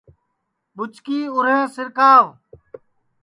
ٻُچکی اُرینٚھ سِرکاوَ